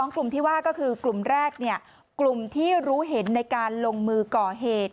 กลุ่มที่ว่าก็คือกลุ่มแรกกลุ่มที่รู้เห็นในการลงมือก่อเหตุ